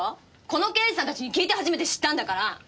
この刑事さんたちに聞いて初めて知ったんだから！